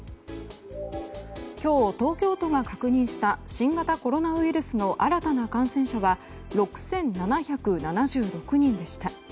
今日、東京都が確認した新型コロナウイルスの新たな感染者は６７７６人でした。